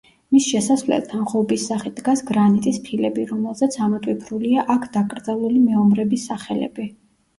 მის შესასვლელთან ღობის სახით დგას გრანიტის ფილები, რომელზეც ამოტვიფრულია აქ დაკრძალული მეომრების სახელები.